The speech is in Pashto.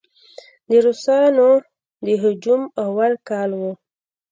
د روسانو د هجوم اول کال و.